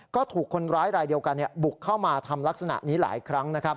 ก็ถูกคนร้ายรายเดียวกันบุกเข้ามาทำลักษณะนี้หลายครั้งนะครับ